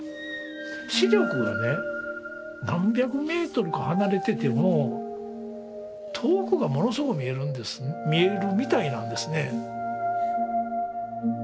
視力がね何百メートルか離れてても遠くがものすごく見えるみたいなんですね。